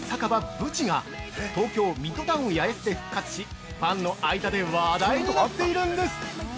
ＢＵＣＨＩが東京ミッドタウン八重洲で復活しファンの間で話題になっているんです。